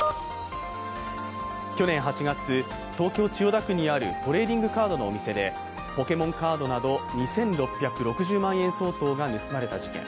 去年８月、東京・千代田区にあるトレーディングカードのお店でポケモンカードなど２６６０万円相当が盗まれた事件。